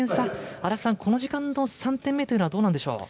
安達さん、この時間の３点目はどうなんでしょう。